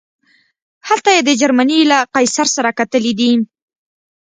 هلته یې د جرمني له قیصر سره کتلي دي.